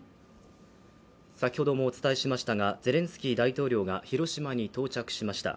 先ほどもお伝えしましたが、ゼレンスキー大統領が広島に到着しました。